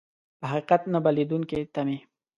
په حقيقت نه بدلېدونکې تمې.